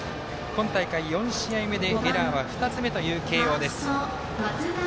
今大会、４試合目でエラーが２つ目という慶応。